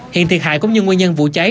hiện thiệt hại cũng như nguyên nhân vụ cháy